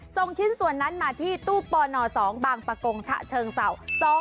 ส่งชิ้นส่วนนั้นมาที่ตู้ปน๒บางประกงฉะเชิงเศร้า